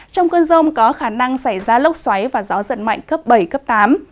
trong cơn rông có khả năng xảy ra lốc xoáy và gió giật mạnh cấp bảy cấp tám